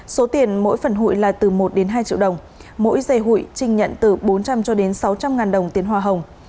số tiền mỗi phần hụi là từ một đến hai triệu đồng mỗi dây hụi trình nhận từ bốn trăm linh cho đến sáu trăm linh ngàn đồng tiền hoa hồng